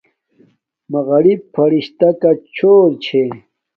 مقرب فرشتݳݣݳ چَݸُر چھݺ.